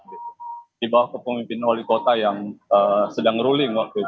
di bawah kepemimpin wali kota yang sedang ruling waktu itu